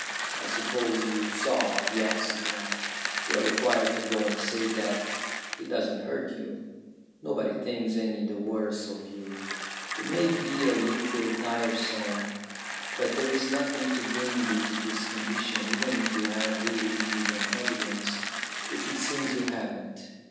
"I suppose you saw the accident. You are required to go and say that; it doesn't hurt you. Nobody thinks any the worse of you. It may be a little tiresome, but there is nothing to bring you to this condition, even if you had really given evidence, which it seems you haven't."